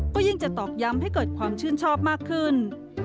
ก็ยิ่งจะตอกย้ำให้เกิดความชื่นชอบมากขึ้น